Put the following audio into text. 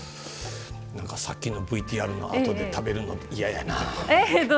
さっきのＶＴＲのあとで食べるの嫌やな。